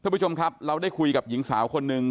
คุณผู้ชมครับเราได้คุยกับหญิงสาวคนหนึ่ง